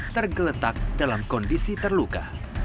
tergeletak dalam kondisi terluka